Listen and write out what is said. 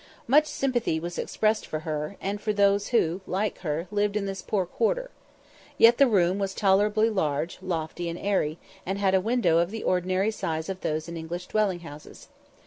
Much sympathy was expressed for her, and for those who, like her, lived in this poor quarter. Yet the room was tolerably large, lofty, and airy, and had a window of the ordinary size of those in English dwelling houses.